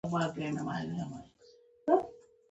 بيا به يې باور رايشي چې مونګه رښتيا ويل.